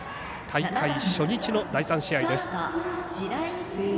大会初日の第３試合です。